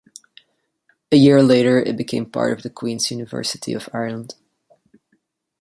A year later it became part of the Queen's University of Ireland.